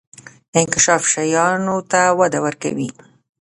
انکشاف شیانو ته وده ورکوي.